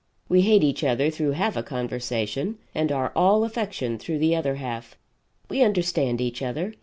We hate each other through half a conversation and are all affection through the other half. We understand each other.